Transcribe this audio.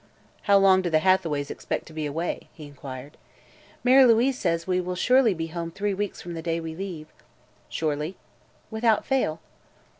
"How long do the Hathaways expect to be away?" he inquired. "Mary Louise says we will surely be home three weeks from the day we leave." "Surely?" "Without fail."